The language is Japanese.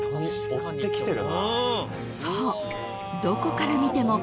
［そう］